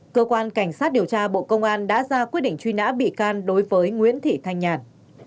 cơ quan cảnh sát điều tra bộ công an đã ra quyết định truy nã bị can đối với nguyễn thị thanh nhàn